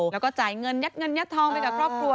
แล้วก็จ่ายเงินยัดเงินยัดทองไปกับครอบครัว